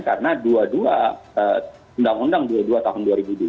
karena undang undang dua puluh dua tahun dua ribu dua